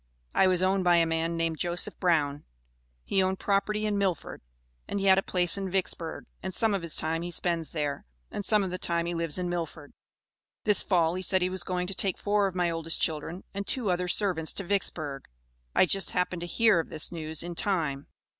I was owned by a man named Joseph Brown; he owned property in Milford, and he had a place in Vicksburg, and some of his time he spends there, and some of the time he lives in Milford. This Fall he said he was going to take four of my oldest children and two other servants to Vicksburg. I just happened to hear of this news in time.